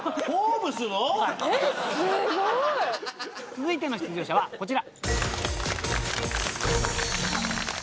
続いての出場者はこちら。